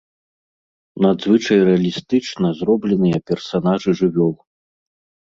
Надзвычай рэалістычна зробленыя персанажы жывёл.